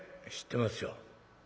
「知ってますよ。